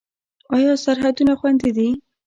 آیا سرحدونه خوندي دي؟